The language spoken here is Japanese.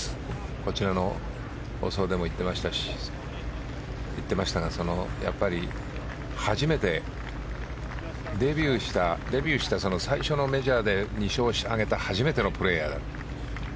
こちらの放送でも言っていましたがやっぱり初めてデビューした最初のメジャーで２勝を挙げた初めてのプレーヤー。